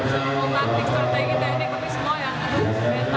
jadi kita harus semua yang mental